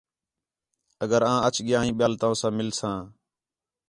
اگر آں اچ ڳیا ہیں ٻیال تَونسا مِلساں